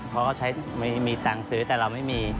เขาก็ใช้ไม่มีตังค์ซื้อแต่เราไม่มี